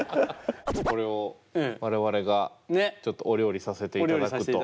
これを我々がちょっとお料理させていただくと。